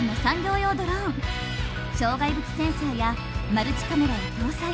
障害物センサーやマルチカメラを搭載。